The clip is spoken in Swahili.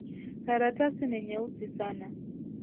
Karatasi ni nyeusi sana.